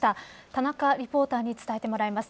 田中リポーターに伝えてもらいます。